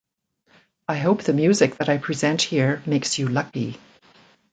I hope the music that I present here makes you lucky.